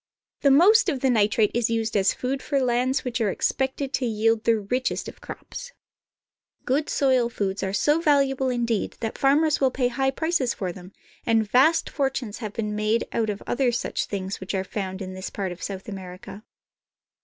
The most of the nitrate is used as food for lands which are expected to yield the richest of crops. Good soil foods are so valuable indeed that farmers io6 CHILE. ms^^ '^^.''■^'' 1 ■HH ^f?T 'pi ^1^ Nitrate Factory. will pay high prices for them, and vast fortunes have been made out of other such things which are found in this part of South America.